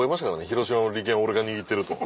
「広島の利権は俺が握ってる」と。